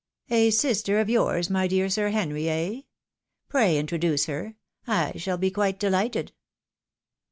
" A sister of yours, my dear Sir Henry, eh ? Pray introduce her, — I shall be quite dehghted."